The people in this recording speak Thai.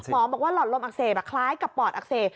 หมอบอกว่าหลอดลมอักเสบคล้ายกับปอดอักเสบ